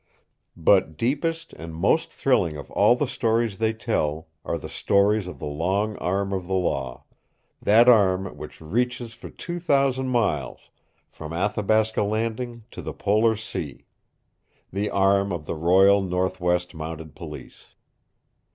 But deepest and most thrilling of all the stories they tell are the stories of the long arm of the Law that arm which reaches for two thousand miles from Athabasca Landing to the polar sea, the arm Of the Royal Northwest Mounted Police.